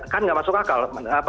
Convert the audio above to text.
kan gak masuk akal